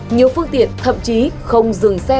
nhiều phương tiện thậm chí không dừng xe